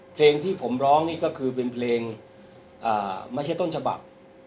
เพลงที่ผมร้องนี่ก็คือเป็นเพลงไม่ใช่ต้นฉบับ